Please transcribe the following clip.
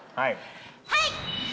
はい！